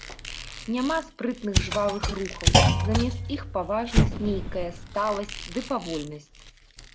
Няма спрытных жвавых рухаў, замест іх паважнасць нейкая, сталасць ды павольнасць.